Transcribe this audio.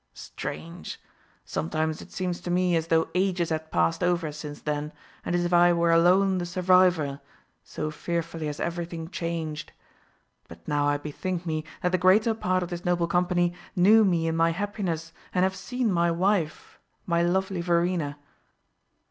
Strange! Sometimes it seems to me as though ages had passed over since then, and as if I were alone the survivor, so fearfully has everything changed. But now I bethink me, that the greater part of this noble company knew me in my happiness, and have seen my wife, my lovely Verena."